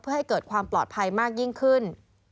เพื่อให้เกิดความปลอดภัยมากยิ่งขึ้น